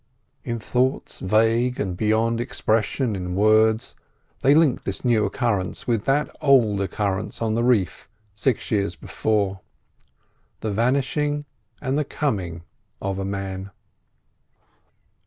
In thoughts vague and beyond expression in words, they linked this new occurrence with that old occurrence on the reef six years before. The vanishing and the coming of a man.